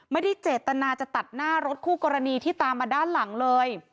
ไม่ได้เจตนาจะตัดหน้ารถคู่กรณีที่ตามมาด้านหลังเลย